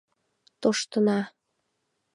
— Тоштына!